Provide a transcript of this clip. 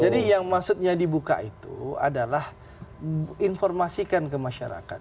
yang maksudnya dibuka itu adalah informasikan ke masyarakat